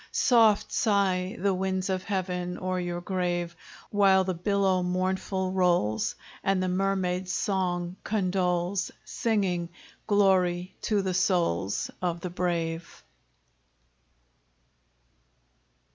Soft sigh the winds of heaven O'er your grave! While the billow mournful rolls, And the mermaid's song condoles, Singing "Glory to the souls Of the brave!"